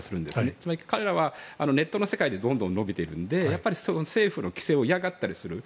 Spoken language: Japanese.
つまり彼らはネットの世界でどんどん伸びているので政府の規制を嫌がったりする。